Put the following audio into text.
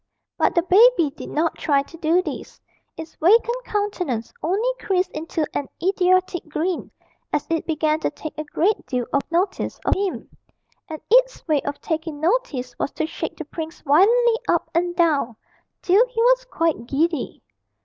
But the baby did not try to do this; its vacant countenance only creased into an idiotic grin, as it began to take a great deal of notice of him; and its way of taking notice was to shake the prince violently up and down, till he was quite giddy.